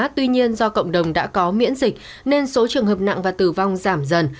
tuy nhiên do cộng đồng đã có miễn dịch nên số trường hợp nặng và tử vong giảm dần